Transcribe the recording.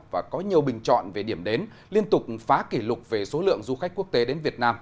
và có nhiều bình chọn về điểm đến liên tục phá kỷ lục về số lượng du khách quốc tế đến việt nam